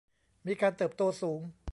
มีการเติบโตสูง